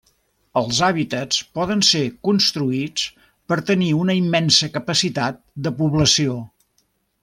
Els hàbitats poden ser construïts per tenir una immensa capacitat de població.